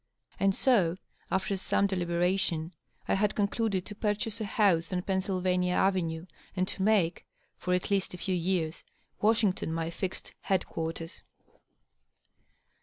And so, after some deliberation, I had concluded to purchase a house on Pennsylvania Avenue, and to make, for at least a few years, Washington my fixed head quarters.